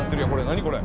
何これ。